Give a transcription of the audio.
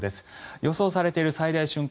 予想されている最大瞬間